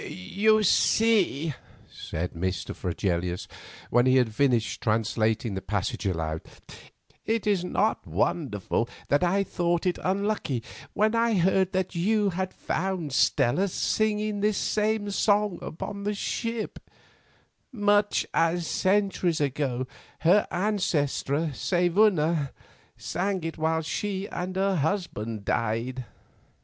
"You see," said Mr. Fregelius, when he had finished translating the passage aloud, "it is not wonderful that I thought it unlucky when I heard that you had found Stella singing this same song upon the ship, much as centuries ago her ancestress, Saevuna, sang it while she and her husband died."